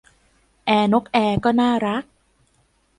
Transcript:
แอร์นกแอร์ก็น่ารัก